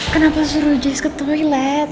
kenapa suruh jazz ke toilet